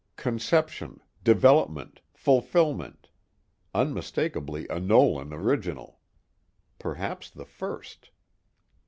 Conception, development, fulfillment unmistakably a Nolan original. Perhaps the first.